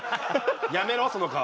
やめろその顔。